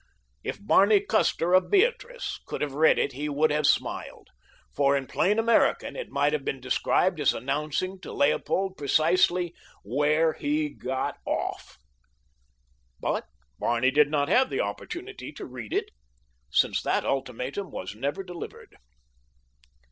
If Barney Custer, of Beatrice, could have read it he would have smiled, for in plain American it might have been described as announcing to Leopold precisely "where he got off." But Barney did not have the opportunity to read it, since that ultimatum was never delivered.